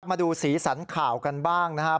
มาดูสีสันข่าวกันบ้างนะครับ